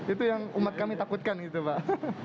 itu yang umat kami takutkan gitu pak